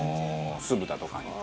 酢豚とかの。